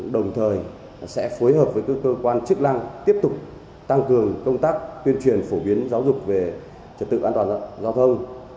đồng thời sẽ phối hợp với các cơ quan chức năng tiếp tục tăng cường công tác tuyên truyền phổ biến giáo dục về trật tự an toàn giao thông